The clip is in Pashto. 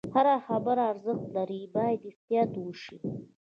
هره خبره ارزښت لري، باید احتیاط وشي.